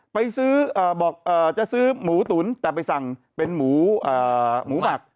ไปซื้อบอกจะซื้อหมูตุ๋นแต่ไปสั่งเป็นหมูหมูหมัก